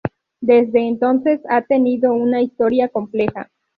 Desde entonces, ha tenido una historia compleja.